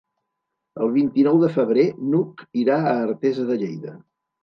El vint-i-nou de febrer n'Hug irà a Artesa de Lleida.